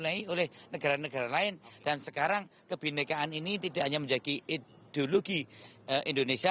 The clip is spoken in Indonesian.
dinai oleh negara negara lain dan sekarang kebinekaan ini tidak hanya menjadi ideologi indonesia